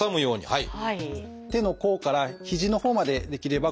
はい。